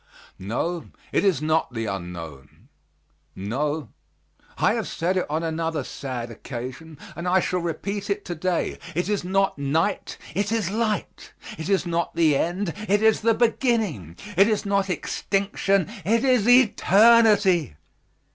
No, it is not the unknown; no, I have said it on another sad occasion and I shall repeat it to day, it is not night, it is light. It is not the end, it is the beginning! It is not extinction, it is eternity!